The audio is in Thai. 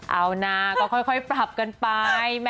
เอานะก็ค่อยปรับกันไป